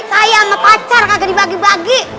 saya sama pacar gak dibagi bagi